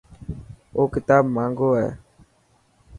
اي ڪتاب ماهنگو هي.